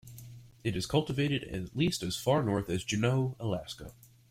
It is cultivated at least as far north as Juneau, Alaska.